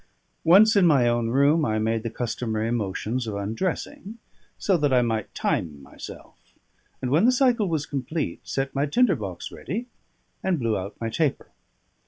Once in my own room, I made the customary motions of undressing, so that I might time myself; and when the cycle was complete, set my tinder box ready, and blew out my taper.